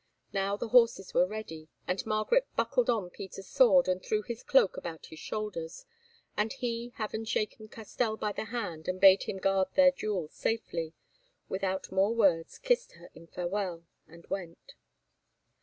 Now the horses were ready, and Margaret buckled on Peter's sword and threw his cloak about his shoulders, and he, having shaken Castell by the hand and bade him guard their jewel safely, without more words kissed her in farewell, and went.